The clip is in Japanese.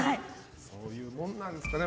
そういうものなんですかね。